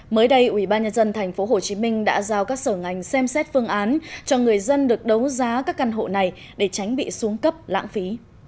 mới đây ubnd tp hcm đã giao các sở ngành xem xét phương án cho người dân được đấu giá các căn hộ này để tránh bị xuống cấp lãng phí